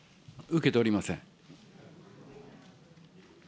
受けておりません。